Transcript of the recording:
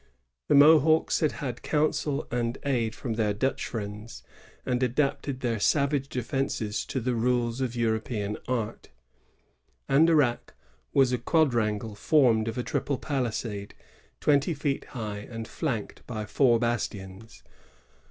The Mohawks had had counsel and aid from their Dutch friends, VOL. I. — 17 258 TH£ MOHAWKS CHAI^TISED. [laM. and adapted their savage defences to the rules ol Euiopean art. Andaiaqu^ was a quadrangle formed of a triple palisade, twenty feet high, and flanked by four bastions.